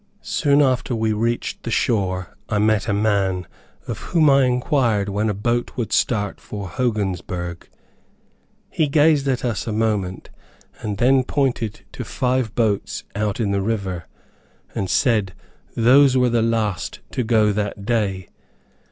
Soon after we reached the shore I met a man, of whom I enquired when a boat would start for Hogansburg. He gazed at us a moment, and then pointed to five boats out in the river, and said those were the last to go that day.